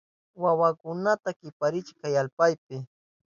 ¡Wawaykikunata kiparichiy kayllapi!